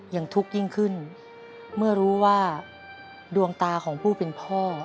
ยังทุกข์ยิ่งขึ้นเมื่อรู้ว่าดวงตาของผู้เป็นพ่อ